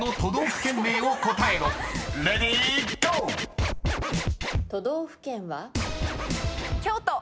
都道府県は？